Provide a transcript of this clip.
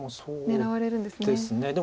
狙われるんですね。